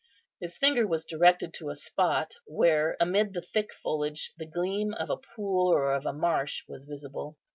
His finger was directed to a spot where, amid the thick foliage, the gleam of a pool or of a marsh was visible.